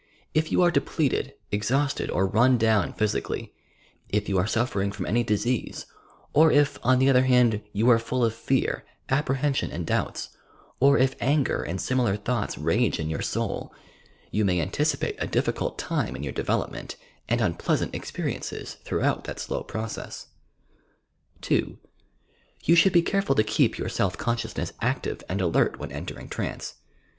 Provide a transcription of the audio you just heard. If you are depleted, exhausted, or "run down" physically, if you are suffering from any disease, or if, on the other hand, you are full of fear, apprehension and doubts, or if anger and similar thoughts rage in your soul, you may anticipate a difficult time in your development and unpleasant experiences throughout that slow process. (2) You should be careful to keep your self conscious ness active and alert when entering trance.